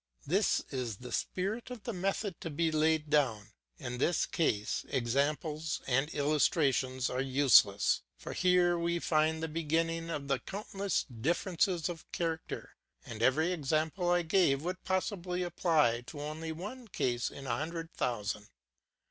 This is the spirit of the method to be laid down. In this case examples and illustrations are useless, for here we find the beginning of the countless differences of character, and every example I gave would possibly apply to only one case in a hundred thousand.